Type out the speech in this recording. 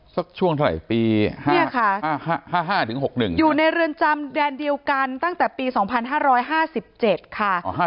สักช่วงเท่าไหร่ปี๕๕๖๑อยู่ในเรือนจำแดนเดียวกันตั้งแต่ปี๒๕๕๗ค่ะ